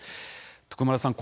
徳丸さん